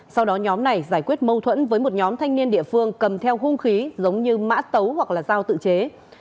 sau đó nhóm này giải quyết mâu thuẫn với một nhóm thanh niên địa phương cầm theo hung khí giống như mã tấu hoặc là giao tự chế